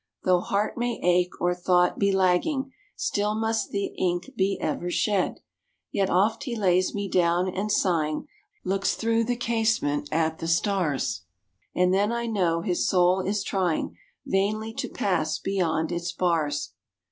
Though heart may ache, or thought be lagging, Still must the ink be ever shed. Yet oft he lays me down, and, sighing, Looks through the casement at the stars; And then I know his soul is trying Vainly to pass beyond its bars.